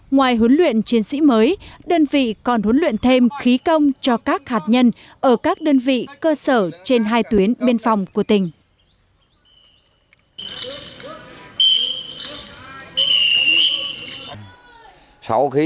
ngoài huấn luyện chiến sĩ mới đơn vị còn huấn luyện thêm khí công cho các hạt nhân ở các đơn vị cơ sở trên hai tuyến biên phòng của tỉnh